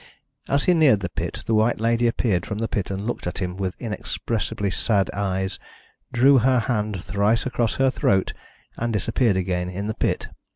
As he neared the pit the White Lady appeared from the pit and looked at him with inexpressibly sad eyes, drew her hand thrice across her throat, and disappeared again in the pit.